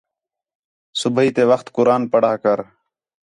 صوبیح تے وقت قرآن پڑھا کر